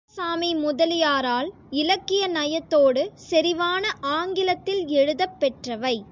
இராமசாமி முதலியாரால் இலக்கிய நயத்தோடு செறிவான ஆங்கிலத்தில் எழுதப் பெற்றவை.